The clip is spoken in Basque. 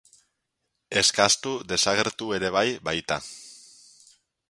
Eskastu desagertu ere bai baita.